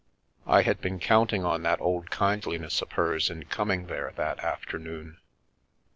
I had been count ing on that old kindliness of hers in coming there that afternoon.